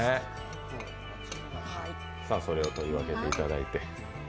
それを取り分けていただいて。